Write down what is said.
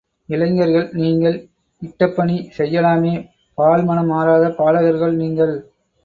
இளைஞர்கள் நீங்கள் இட்டபணி செய்யலாமே பால் மணம் மாறாத பாலகர்கள் நீங்கள்.